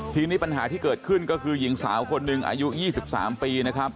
ทีนี้ปัญหาที่เกิดขึ้นก็คือหญิงสาวคนหนึ่งอายุ๒๓ปีนะครับ